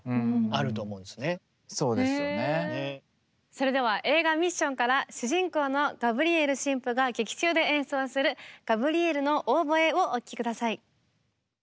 それでは映画「ミッション」から主人公のガブリエル神父が劇中で演奏する「ガブリエルのオーボエ」をお聴き下さい。